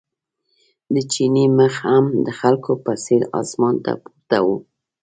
د چیني مخ هم د خلکو په څېر اسمان ته پورته و.